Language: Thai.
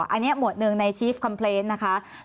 อันนี้หมวดหนึ่งในชีฟคอมเพลนต์นะคะ